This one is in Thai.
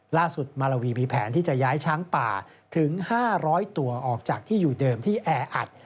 ล่าสุดมาลาวีมีแผนที่จะย้ายช้างป่าถึง๕๐๐ตัวออกจากที่อยู่เดิมที่แออัด